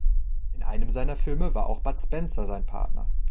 In einem seiner Filme war auch Bud Spencer sein Partner.